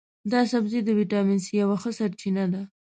دا سبزی د ویټامین سي یوه ښه سرچینه ده.